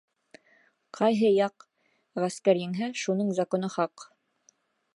Ҡайһы яҡ ғәскәр еңһә, шуның законы хаҡ.